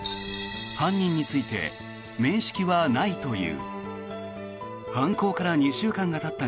犯人について面識はないという。